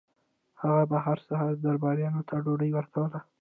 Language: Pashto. هغه به هر سهار درباریانو ته ډوډۍ ورکوله.